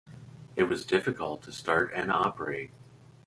It was difficult to start and operate.